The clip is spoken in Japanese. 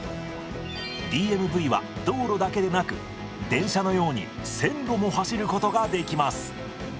ＤＭＶは道路だけでなく電車のように線路も走ることができます。